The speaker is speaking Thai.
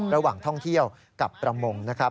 ระหว่างท่องเที่ยวกับประมงนะครับ